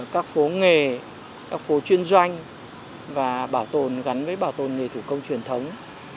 các phố nghề các phố chuyên doanh và bảo tồn gắn với bảo tồn nghề thủ công truyền thống